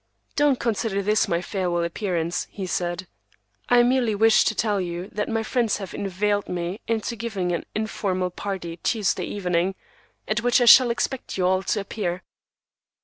"Don't consider this my farewell appearance," he said. "I merely wished to tell you that my friends have inveigled me into giving an informal party Tuesday evening, at which I shall expect you all to appear."